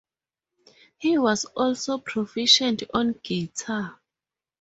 He was also proficient on guitar.